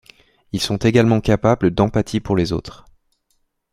Ils sont également capables d’empathie pour les autres.